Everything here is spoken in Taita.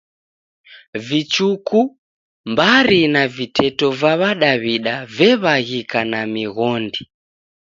Vichuku, mbari na viteto va W'adaw'ida vew'aghika na mighondi.